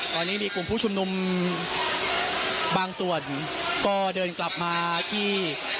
ตอนนี้มีกลุ่มผู้ชุมนุมบางส่วนก็เดินกลับมาที่